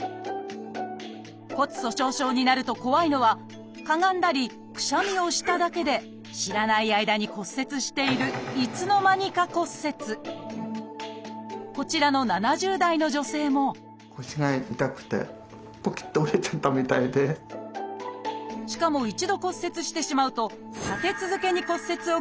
骨粗しょう症になると怖いのはかがんだりくしゃみをしただけで知らない間に骨折しているこちらの７０代の女性もしかも一度骨折してしまうと立て続けに骨折を繰り返すことも。